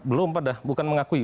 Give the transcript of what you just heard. belum pada bukan mengakui